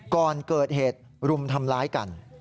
ก่อนเกิดเหตุรุมทำร้ายกัน